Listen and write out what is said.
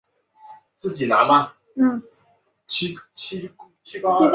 体育场不时举行联合式橄榄球比赛。